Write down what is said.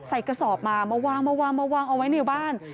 ใส่กระสอบมามาวางเอาไว้ในบ้าน